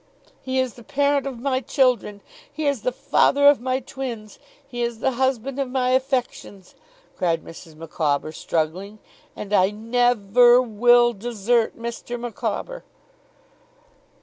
'He is the parent of my children! He is the father of my twins! He is the husband of my affections,' cried Mrs. Micawber, struggling; 'and I ne ver will desert Mr. Micawber!